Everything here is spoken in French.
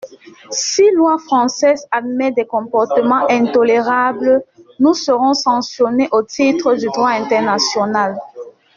Si loi française admet des comportements intolérables, nous serons sanctionnés au titre du droit international.